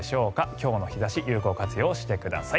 今日の日差しを有効活用してください。